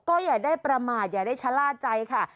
ก็อย่าได้ประมาทอย่าได้ชะล่าใจค่ะ